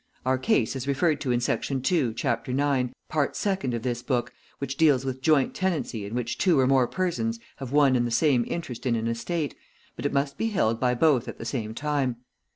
Our case is referred to in section two, chapter nine, part second of this book, which deals with joint tenancy in which two or more persons have one and the same interest in an estate, but it must be held by both at the same time.